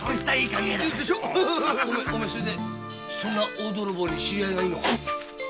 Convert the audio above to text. お前それで大泥棒に知り合いがいるのか？